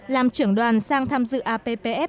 làm trưởng đoàn sang tham dự appf hai mươi sáu